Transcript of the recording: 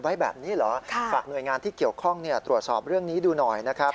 ไว้แบบนี้เหรอฝากหน่วยงานที่เกี่ยวข้องตรวจสอบเรื่องนี้ดูหน่อยนะครับ